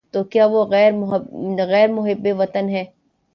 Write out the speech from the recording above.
تو کیا وہ غیر محب وطن ہے؟